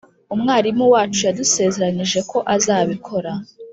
umwarimu wacu yadusezeranyije ko aza bikora